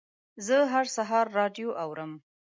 زه هر سهار راډیو اورم.